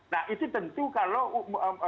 nah itu tentu kalau